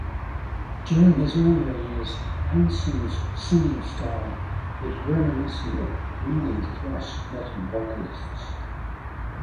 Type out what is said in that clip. During his earlier years Hansen's singing style was reminiscent of many thrash metal vocalists.